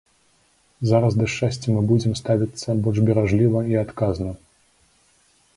Зараз да шчасця мы будзем ставіцца больш беражліва і адказна.